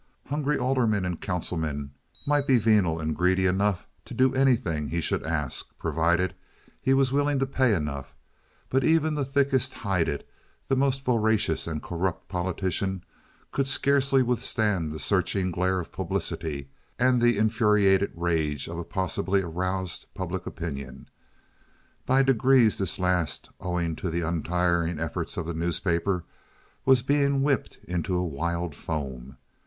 Hungry aldermen and councilmen might be venal and greedy enough to do anything he should ask, provided he was willing to pay enough, but even the thickest hided, the most voracious and corrupt politician could scarcely withstand the searching glare of publicity and the infuriated rage of a possibly aroused public opinion. By degrees this last, owing to the untiring efforts of the newspapers, was being whipped into a wild foam.